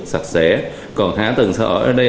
sạch sẽ còn hạ tầng xã hội ở đây